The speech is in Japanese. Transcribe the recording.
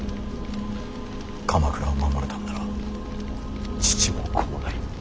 鎌倉を守るためなら父も子もない。